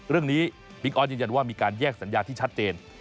บิ๊กออสยืนยันว่ามีการแยกสัญญาที่ชัดเจน